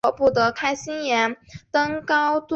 他的名字取自于文艺复兴时期艺术家拉斐尔。